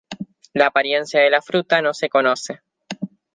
La apariencia de la fruta no se conoce.